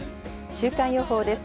週間予報です。